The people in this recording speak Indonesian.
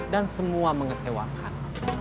dan semua mengecewakan